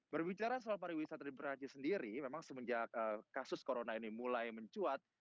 berbicara soal pariwisata di perancis sendiri memang semenjak kasus corona ini mulai mencuat